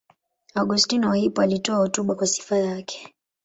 Augustino wa Hippo alitoa hotuba kwa sifa yake.